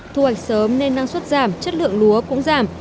thu hoạch sớm nên năng suất giảm chất lượng lúa cũng giảm